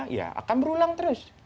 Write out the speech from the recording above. ya akan berulang terus